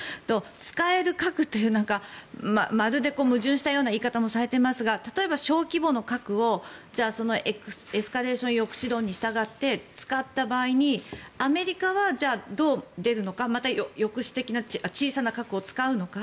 使える核というのかまるで矛盾したような言い方もされていますが例えば、小規模の核をじゃあエスカレーション抑止論に従って使った場合アメリカはどう出るのかまた抑止的な小さな核を使うのか。